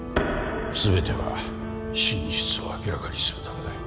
すべては真実を明らかにするためだよ